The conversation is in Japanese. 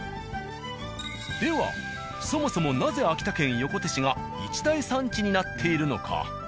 ではそもそもなぜ秋田県横手市が一大産地になっているのか。